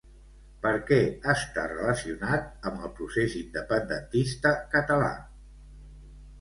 Per què està relacionat amb el procés independentista català?